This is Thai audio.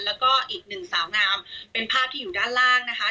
แล้วก็อีกหนึ่งสาวงามเป็นภาพที่อยู่ด้านล่างนะคะ